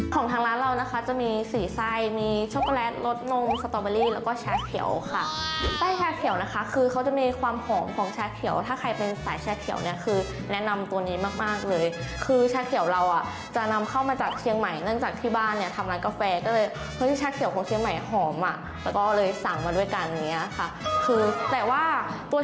ของทางร้านเรานะคะจะมีสี่ไส้มีช็อกโกแลตรสนมสตอเบอรี่แล้วก็ชาเขียวค่ะไส้ชาเขียวนะคะคือเขาจะมีความหอมของชาเขียวถ้าใครเป็นสายชาเขียวเนี่ยคือแนะนำตัวนี้มากมากเลยคือชาเขียวเราอ่ะจะนำเข้ามาจากเชียงใหม่เนื่องจากที่บ้านเนี่ยทำร้านกาแฟก็เลยเฮ้ยชาเขียวของเชียงใหม่หอมอ่ะแล้วก็เลยสั่งมาด้วยกันอย่างเงี้ยค่ะคือแต่ว่าตัว